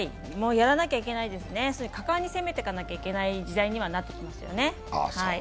やらなきゃいけないですね、果敢に攻めていかなきゃいけない時代にはなってきていますね。